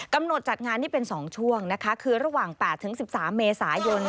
จัดงานนี่เป็น๒ช่วงนะคะคือระหว่าง๘๑๓เมษายน